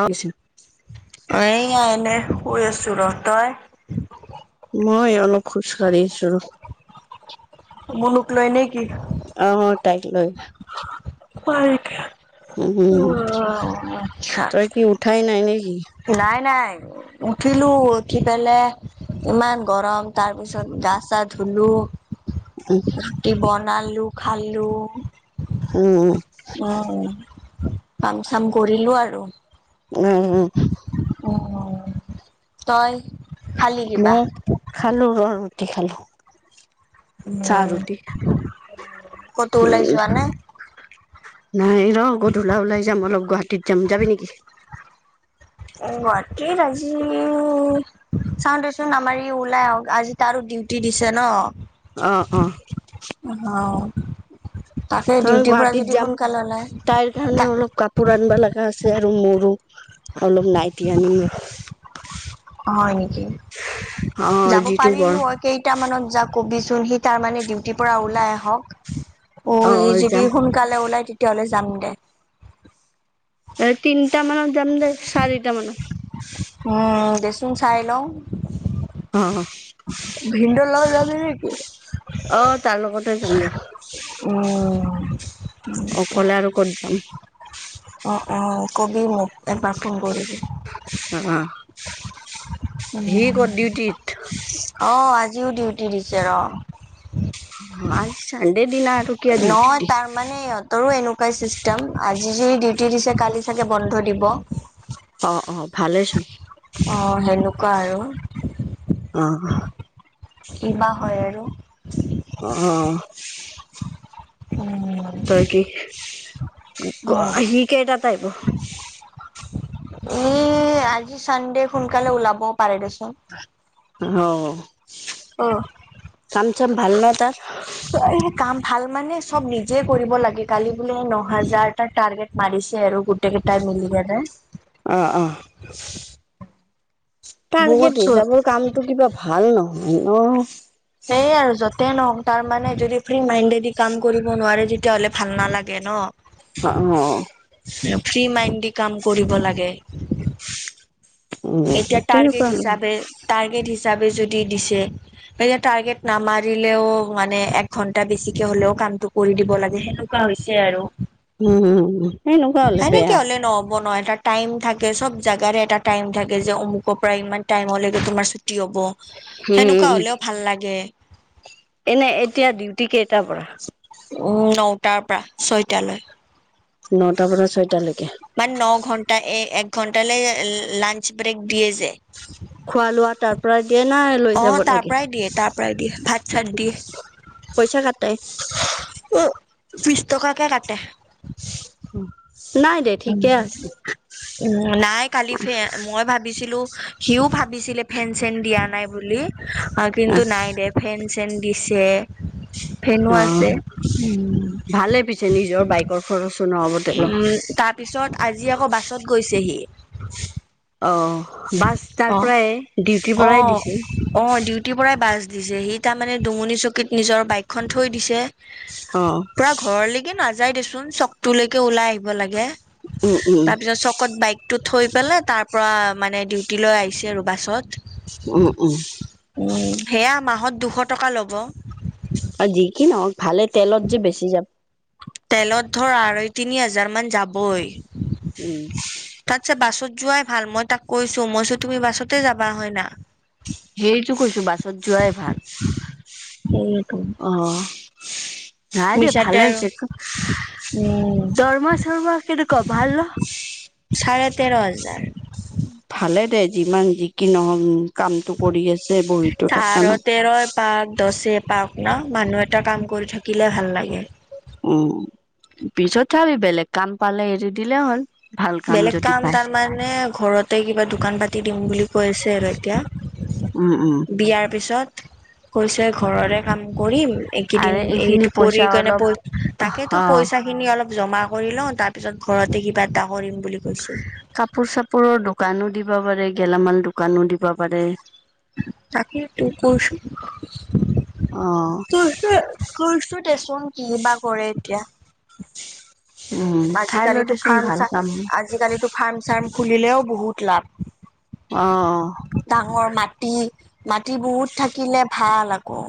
অছ অ এইয়া এনে শুই আছো ৰ। তই? মই অলপ খোজকাঢ়ি আছো। মনুক লয় নে কি? অ তাইক‌ লৈ। পাৰ্ক অ উম আটছা। তই কি উঠাই নাই নেকি নাই, নাই। উঠিলো, উঠি পেলাই ইমান গৰম। তাৰ পিছত গা-চা ধুলো। ৰুটি বনালোঁ, খালোঁ। উম। কাম চাম কৰিলো আৰু। উম, উম। তই? খালি ম কিবা খালো ৰ, ৰুটি খালো। চাহ, উম ৰুটি উ। ক'তো ওলাই যোৱা নাই নাই ৰ গধূলা ওলাই যাম অলপ। গুৱাহাটীত যাম যাবি নেকি‌‌? উ ভণ্টিৰ আজি চাওঁ দেচোন আমাৰ ই ওলাই আহক। আজি তাৰো ডিউটি দিছে ন। অহ, অ। [unintelligible] তই ডিউটিৰ পৰা গুৱাহাটীত যদি যাম সোনকালে ওলাই তাইৰ কাৰণে তা অলপ কাপোৰ আনিবা লাগে আছে আৰু মোৰো অলপ নাইতি আনিম হয় নেকি অ যাব যিটো পাৰিলো গৰম হয় কেইটা মানত যাম কবিচোন সি তাৰ মানে ডিউটিৰ পৰা ওলাই আহক অ এই যদি সোনকালে ওলাই তেতিয়াহলে যাম দে। তিনিটা মানত যাম দে, চাৰিটা মানত। উম, দেচোন চাই লওঁ। অ ভিন্দৰ লগত যাবি নেকি? থিক আছে যাম ৰখ। উ [unintelligible] অকলে আৰু ক'ত যাম? অ-অ ক'বি মোক একবাৰ ফোন কৰিবি। অ উ সি ক'ত ডিউটিত অ আজিও ডিউটি দিছে ৰ। আজি ছানদে দিনাৰ নহয় তাৰমানে তৰো এনেকুৱাই ছিষ্টেম। আজি যদি ডিউটি দিছে, কালি চাগে বন্ধ দিব। অ-অ ভালেই চোন। অ সেনেকোৱা আৰু। [unintelligible] কি বা হয় আৰু। অহ। উম, তই কি, অ', সি কেইটাত আহিব? ই আজি চানডে, সোনকালে ওলাবও পাৰে দেচোন। অ অ', কাম চাম ভাল নাহ তাৰ এই কাম ভাল মানে চব নিজে কৰিব লাগে কালি বোলে ন হাজাৰটা টাৰ্গেট মাৰিছে আৰু গোটেই কেইটাই মিলি [unintelligible] আহ অ বহুত টাৰ্গেট চোন হিচাপৰ কামটো কিবা ভাল নহয় ন সেইয়ে আৰু য'ত নহক তাৰ মানে যদি ফ্ৰী মাইণ্ডেড কাম কৰিব নোৱাৰে তেতিয়াহলে ভাল নালাগে ন অ অ ফ্ৰী মাইণ্ড কাম কৰিব লাগে উম এতিয়া তেনেকুৱা টাৰ্গেট আৰু হিচাপে টাৰ্গেট হিচ হিচাপে যদি দিছে এয়া টাৰ্গেট নামাৰিলেও মানে একঘন্টা বেছিকে হ'লেও কামটো কৰি দিব লাগে সেনেকোৱা হৈছে আৰু উম উম এনেকুৱা হ'লে হয় নেকে বেয়া হলে নহ'ব নয় তাত টাইম থাকে সব জোগাৰে এটা টাইম থাকে যে অমুকৰ পৰা ইমান টাইম লকে তোমাৰ হব সেনেকুৱা উম হলেও ভাল লাগে এনে এতিয়া ডিউটি কেইটাৰ পৰা নটাৰ পৰা ছয়টালৈ নটাৰ পৰা ছয়টালৈকে মানে ন ঘন্টা এ এক ঘণ্টাালৈ লাঞ্চ ব্ৰেক দিয়ে যায় খোৱা লোৱা তাৰ পৰা দিয়ে নাই লৈ অ যাব তাৰ লাগে পৰাই দিয়ে তাৰ পৰাই দিয়ে ভাত চাত দিয়ে পইচা কটাই অ বিশছ টকাকে কাটে উম দেই ঠিকে আছে উম নাই কালি ফে মই ভাবিছিলো সিও ভাবিছিলে ফেন চেন দিয়া নাই বুলি কিন্তু নাই দে ফেন চেন দিছে ফেনো অ আছে ভালে পিছে নিজৰ বাইকৰ খৰচ [unintelligible] উম তাৰ পিছত আজি আকৌ বাছত গৈছেহি অহ বাছ তাৰ অ পৰাই ডিউটিৰ অ পৰাই দিছিল অ ডিউটিৰ পৰাই বাছ দিছে সি তাৰ মানে দুমনি চকীত নিজৰ বাইকখন থৈ দিছে অ পুৰা ঘৰলৈকে নাযায় দেচোন চকটোলৈকে ওলাই আহিব লাগে উম উম তাৰ পিছত চকত বাইকতো থৈ পেলাই তাৰ পৰা মানে ডিউটি লৈ আহিছে আৰু বাছত উম উম উম সেয়া মাহত দুশ টকা লব আৰু যি কি নহওঁক ভালে তেলত যে বেছি যাব তেলত ধৰ আঢ়ৈ তিনি হাজাৰ মান যাবই উম তাতছে বাছত যোৱাই ভাল মই তাক কৈছো মইছো তুমি বাছতে যাবা হয় না সেইটো কৈছো বাছত যোৱাই ভাল সেইটো। অ নাই দিয়া মিছাতে ভালে আৰু হৈছে উম দৰমহা চৰমহা কেনেুৱা ভাল না চাৰে তেৰ হাজাৰ ভালে দে যিমান যিকি নহওঁক কামটো কৰি আছে বহীতো থাকা চাৰে নাই তেৰই পাক দছে পাক নাই মানুহ এটা কাম কৰি থাকিলে ভাল লাগে উ পিছত চাবি বেলেগ কাম পালে এৰি দিলে হ'ল ভাল বেলেগ যদি কাম পায় তাৰ মানে ঘৰতে কিবা দোকান পাতি দিম বুলি কৈছে আৰু এতিয়া উম উম বিয়াৰ পিছত কৈছে ঘৰৰে কাম কৰিম এইেইদিন আৰু এই এইখিনি কৰি পইচা কেনে অলপ তাকেইতো অ পইচা খিনি অলপ জমা কৰি লও তাৰ পিছত ঘৰতে কিবা এটা কৰিম বুলি কৈছে। কাপোৰ চাপোৰৰ দোকানো দিব পাৰে গেলামাল দোকানো দিব পাৰে। তাকে তো কৈছো অ ত কৈইছো দেচোন কি বা কৰে এতিয়া উম চাই ল আজিকালিতো দেচোন ফাৰ্ম ভাল চ কাম আজিকালিতো ফাৰ্ম চাৰ্ম খুলিলেও বহুত লাভ অ অ ডাঙৰ মাটি বহুত থাকিলে ভাল আকৌ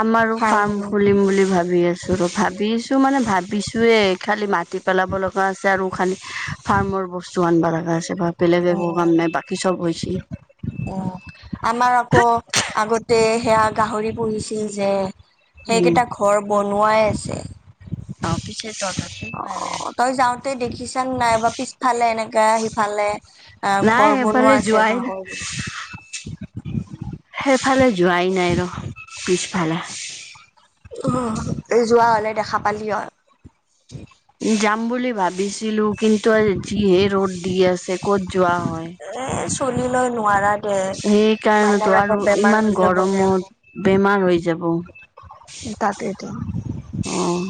আমাৰো ফাৰ্ম খুলিম বুলি ভাবি আছো ৰ ভাবিছো মানে ভাবিছোয়ে খালি মাটিত পেলাব লগা আছে আৰু খানি ফাৰ্মৰ বস্তু আনিব লগা আছে কেতিয়াবা বেলেগ একো উম কাম নাই বাকী চব হৈছে অ' তে সেয়া গাহৰি পুহিছিলো যে উম সেইকেইটা ঘৰ বনোৱা আছে অ পিছে চত আছে [unintelligible] অ তই যাওঁতে দেখিছান নাইব পিছফালে এনেকা সিফালে অ নাই ঘৰ বনোৱা সেইফালে আছে যোৱাই জেগা নাই হয় যদি সেইফালে যোৱাই নাই ৰ পিছফালে উ যোৱা হ'লে দেখা পালি হয় যাম বুলি ভাবিছিলো কিন্তু আ যিহে ৰ'দ দি আছে ক'ত যোৱা হয়। এ চলিলৈ নোৱাৰা দে মাইনাৰ সেইকাৰণেতো আকৌ আৰু বেমাৰ ইমান হৈ যাব নে গৰমত বেমাৰ হৈ যাব এ তাকেতো আহ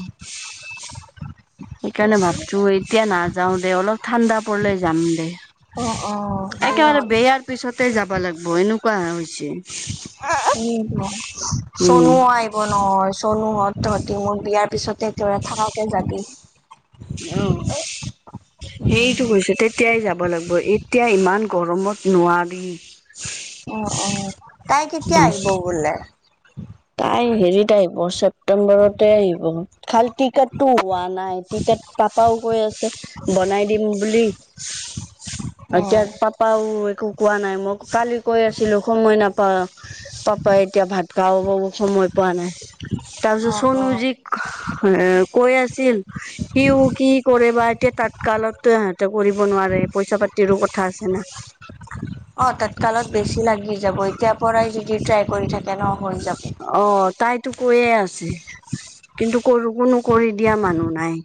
সেইকাৰণে ভাবছো অ' এতিয়া নাযাও দে অলপ ঠাণ্ডা পৰলে যাম দে অ' সেয়া একেবাৰে বেয়াৰ পিছতে যাব লাগিব এনেকুৱা হৈছে উ উম। চনু আহিব নহ চনুহত তহঁতি মোৰ বিয়াৰ পিছতে তেওঁ থাকাকে যাবি অ সেইটো কৈছো তেতিয়াই যাম যাব লাগিব এতিয়া ইমান গৰমত নোৱাৰি উ উম তাই কেতিয়া আহিব বোলে তাই হেৰিত আহিব ছেপটেম্বৰতে আহিব খাল টি কাট টো পোৱা নাই তেতিয়া পাপাও কৈ আছে বনাই দিম বুলি এতিয়া অ', পাপাও একো কোৱা নাই মই কালি কৈ আছিলো সময় নাপাওঁ পাপাই এতিয়া ভাত খাও পোৱা নাই তাৰপিছত সনু অ'। যিক কৈ আছিল সিও কি কৰে বা এতিয়া ততকালতো হেতে কৰিব নোৱাৰাৰে ৰে পইচা পাতিৰো কথা আছে না অ ততকালত বেছি লাগি যাব এতিয়া পৰাই যদি ট্ৰাই কৰি থাকে ন হৈ যাব। অ তাই টো কৈয়ে আছে কিন্তু কৰো কোনো কৰি দিয়া মানুহ নাই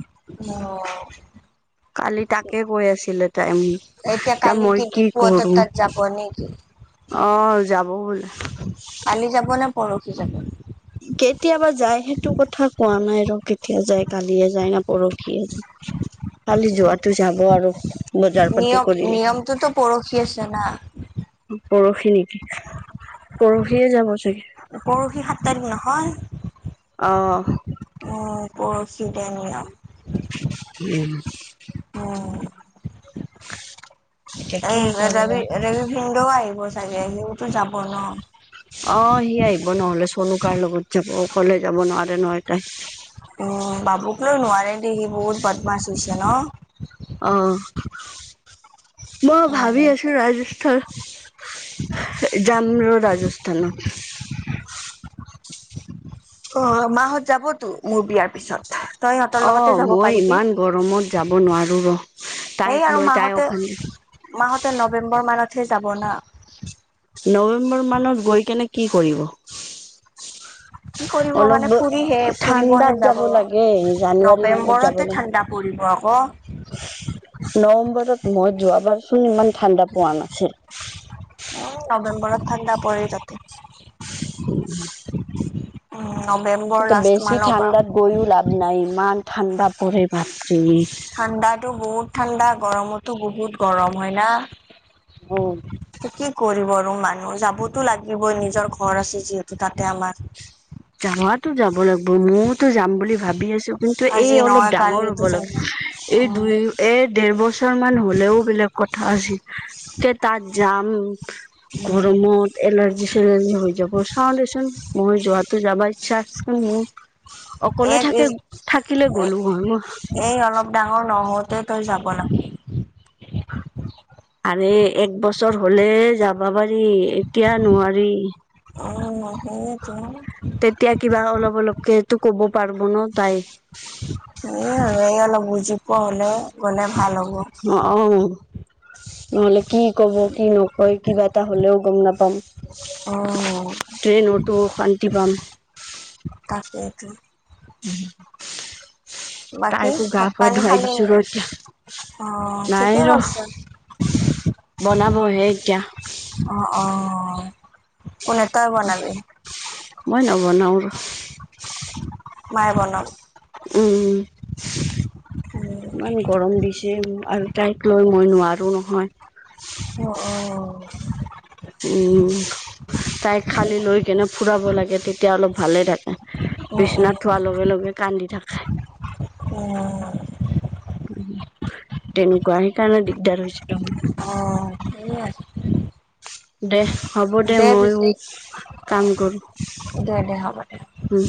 অ কালি তাকে কৈ আছিলে তাই মোক এতিয়া কালি মই কি ডিপুহঁতৰ কৰো তাত যাব নেকি? অ যাব বোলে কালি যাব নে পৰহি যাব কেতিয়াবা যায় সেইটো কথা কোৱা নাই ৰ কেতিয়া যায় কালিয়ে যায় না পৰহিয়ে যায় খালি যোৱাটো যাব আৰু বজাৰ পাতি নিয়ম কৰিলে নিয়মটোতো পৰখি আছে না পৰহি নেকি পৰহিয়ে যাব চাগে পৰহি সাত তাৰিখ নহয় অ অ পৰখিতে নিয়ম উম উ এতিয়া কি এই কৰিবা ৰবি ৰবি ভিনদেউ আহিব চাগে সিওতো যাব ন অ সি আহিব নহ'লে চনো কাৰ লগত যাব অকলে যাব নোৱাৰে নহয় তাই উম বাবুক লৈ নোৱাৰে দে সি বহুত বদমাছ হৈছে ন অ মই অ ভাবি আছো ৰাজস্থান যাম ৰ ৰাজস্থানত অহা মাহত যাবতো মোৰ বিয়াৰ পিছত তই সিহঁতৰ অ লগতে যাব মই পাৰিবি ইমান গৰমত যাব নোৱাৰো ৰ তাইক এইেই আৰু লৈ মা তাই হতে অশান্তি মা হতে নৱেম্বৰ মানতহে যাব না নৱেম্বৰ মানত গৈ কিনে কি কৰিব [unintelligible] কি কৰিব অলপ মানে ফুৰিহে ঠাণ্ডাত ফুৰিবহে যাব লাগে জানুৱাৰী মানত যাব নৱেম্বৰতে লাগে। ঠাণ্ডা পৰিব আকৌ নৱেম্বৰত মই যোৱাবাৰচোন ইমান ঠাণ্ডা পোৱা নাছিল নৱেম্বৰত ঠাণ্ডা পৰে তাতে উম অ তাতে বেছি ঠাণ্ডাত গৈও লাভ নাই ইমান ঠাণ্ডা পৰে বাপৰে। ঠাণ্ডাতো বহুত ঠাণ্ডা গৰমতো বহুত গৰম হয় না অ কি কৰিব আৰু মানুহ যাবতো লাগিবই নিজৰ ঘৰ আছে যিহেতু তাতে আমাৰ যোৱাতো যাব লাগিব ময়োতো যাম বুলি ভাবি আছো কিন্তু এই আজি অলপ নহয় ডাঙৰ কালিতো হ'লে যাব অ এই দুই এৰ ডেৰ বছৰ মান হলেও বেলেগ কথা আছিল তে তাত যাম উম গৰমত এলাৰ্জি চেলাৰজি হৈ যাব চাওঁ দেচোন মই যোৱ যাব ইচ্ছা আছে মোৰ অকলে এক থাকে ইজ থাকিলে গ'লো হয় মই এই অলপ ডাঙৰ নহওঁতে তই যাব লাগে এক বছৰ হলে যাবা পাৰি এতিয়া নোৱাৰি অ হয়ে তো তেতিয়া কিবা অলপ অলপ কে তো ক'ব। পাৰিব ন তাই? পাহৰি গ'লে ভাল অ হ'ব। অ নহ'লে কি ক'ব কি নকয় কিবা এটা হ'লেও গম নাপাম? উম, ট্ৰেইনতো শান্তি পাম। তাকেতি উম বাকী তাইকো গা ভাত পা পানী ধুৱাই খালি দিছো নি? ৰ এতিয়া। অ ঠিকেই কছে। বনাব সে এতিয়া। অ অ। কোনে তই বনাবি? মই নবনাওঁ আৰু। মাই বনাব। উম, ইমান গৰম বিষ। আৰু তাইক লৈ মই নোৱাৰো নহয়। অ', [unintelligible] উম তাইক খালি লৈ কেনিবা ফুৰাব লাগে তেতিয়া অলপ ভালে থাকে। অ', অ', বিশছ্বনাথ থোৱাৰ লগে লগে কান্দি থাকে। অ', তেনেকুৱা কাৰণে দিকদাৰ হয়। অ ঠিক আছে। দে হ'ব দে মইয়ো কাম কৰো দে দে হ'ব দে। উম।